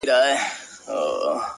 د اوښکو ته مو لپې لوښي کړې که نه!!